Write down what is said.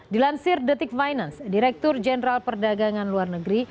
dilansir detik finance direktur jenderal perdagangan luar negeri